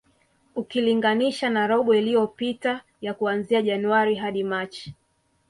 Ukilinganisha na robo iliyopita ya kuanzia Januari hadi Machi